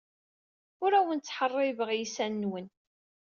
Ur awen-ttḥeṛṛibeɣ iysan-nwen.